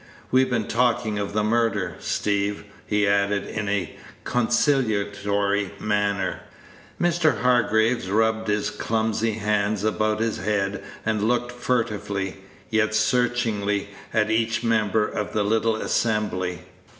We've been talking of the murder, Steeve," he added, in a conciliatory manner. Mr. Hargraves rubbed his clumsy hands about his head, and looked furtively, yet searchingly, at each member of the little assembly.